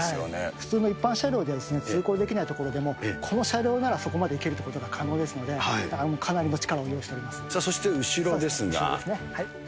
普通の一般車両で通行できない所でも、この車両ならそこまで行けるということが可能ですので、そして後ろですが。